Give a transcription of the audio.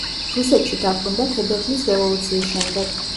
რუსეთში დაბრუნდა თებერვლის რევოლუციის შემდეგ.